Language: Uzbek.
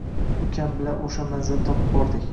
Ukam bilan o`sha manzilni topib bordik